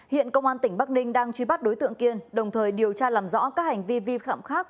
hiện công an tỉnh bắc ninh đang truy bắt đối tượng kiên đồng thời điều tra làm rõ các hành vi vi phạm khác